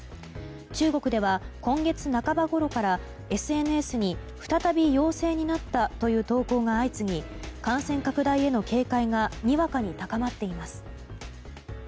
中国では今月半ばごろからＳＮＳに再び陽性になったという投稿が相次ぎ感染拡大への警戒がにわかに高まっています。